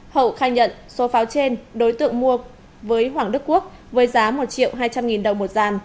hậu khai nhận số pháo trên đối tượng mua với hoàng đức quốc với giá một triệu hai trăm linh nghìn đồng một giàn